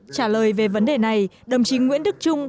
trả lời về vấn đề này đồng chí nguyễn đức trung